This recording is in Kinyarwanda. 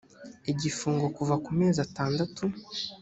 igifungo kuva ku mezi atandatu